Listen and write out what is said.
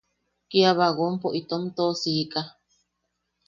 Kia bagonpo itom toʼosika.